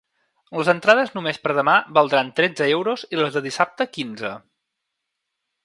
Les entrades només per a demà valdran tretze euros i les de dissabte, quinze.